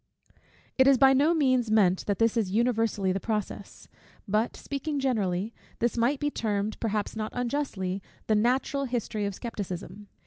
It is by no means meant that this is universally the process. But, speaking generally, this might be termed, perhaps not unjustly, the natural history of scepticism.